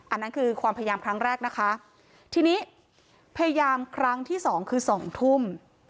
อันนั้นคือความพยายามครั้งแรกนะคะทีนี้พยายามครั้งที่สองคือสองทุ่ม